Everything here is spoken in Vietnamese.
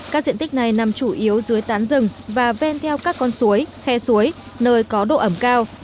các diện tích này nằm chủ yếu dưới tán rừng và ven theo các con suối khoe suối nơi có độ ẩm cao